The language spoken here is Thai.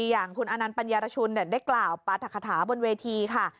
อย่างคุณอนันต์ปัญญารชุนได้กล่าวปราธคาถาบนเวทีค่ะ